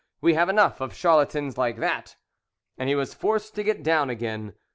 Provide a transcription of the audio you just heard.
We have enough of charlatans like that!" and he was forced to get down again.